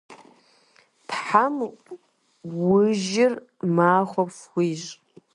Тхьэм и ужьыр махуэ фхуищӏ.